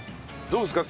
どうですか？